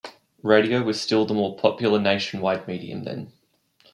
Radio was still the more popular nationwide medium then.